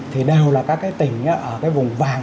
thì đều là các tỉnh ở vùng vàng